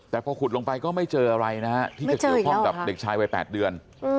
แต่พอขุดลงไปก็ไม่เจออะไรนะฮะที่จะเกี่ยวข้องกับเด็กชายวัย๘เดือน